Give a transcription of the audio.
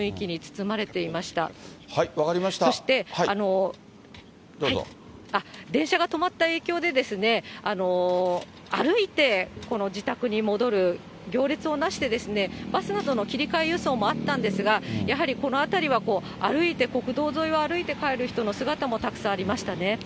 そして電車が止まった影響で、歩いて自宅に戻る、行列を成して、バスなどの切り替え輸送もあったんですが、やはりこの辺りは歩いて、国道沿いを歩いて帰る人の姿もたくさんありましたね。